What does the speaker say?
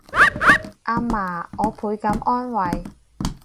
阿嫲我倍感安慰